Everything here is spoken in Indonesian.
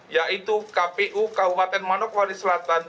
yaitu kpu kabupaten manokwari selatan